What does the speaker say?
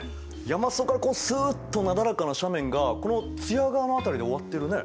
山裾からスッとなだらかな斜面がこの津屋川の辺りで終わってるね。